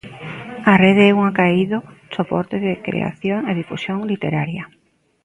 A rede é un acaído soporte de creación e difusión literaria.